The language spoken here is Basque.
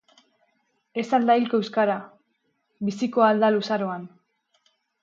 Ez ahal da hilko euskara, biziko ahal da luzaroan!